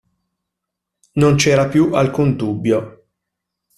Non c'era più alcun dubbio.